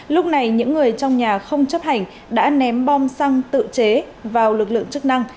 lúc này những người trong nhà không chấp hành đã ném bom xăng tự chế vào lực lượng chức năng